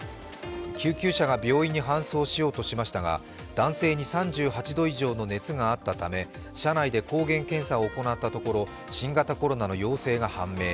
救急車が病院に搬送しようとしましたが男性に３８度以上の熱があったため車内で抗原検査を行ったところ新型コロナの陽性が判明。